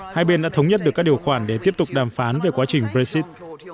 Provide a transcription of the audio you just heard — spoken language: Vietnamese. hai bên đã thống nhất được các điều khoản để tiếp tục đàm phán về quá trình brexit